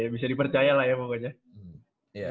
bisa dipercaya lah ya pokoknya